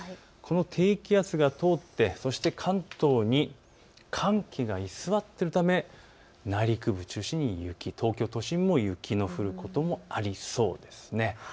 この低気圧が通ってそして関東に寒気が居座っているため内陸部を中心に雪、東京都心も雪の降ることもありそうです。